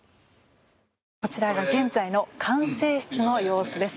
こちらが現在の管制室の様子です。